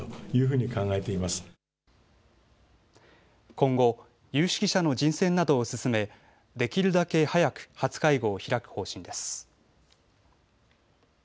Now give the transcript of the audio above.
今後、有識者の人選などを進めできるだけ早く初会合を開く方針です。